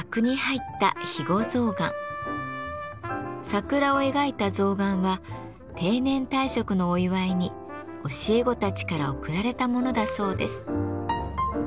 桜を描いた象がんは定年退職のお祝いに教え子たちから贈られたものだそうです。